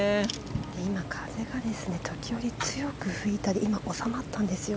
今、風が時折強く吹いたり今、収まったんですよ。